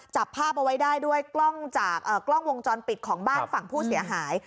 จับภาพเอาไว้ได้ด้วยกล้องจากกล้องวงจรปิดของบ้านฝั่งผู้เสียหาย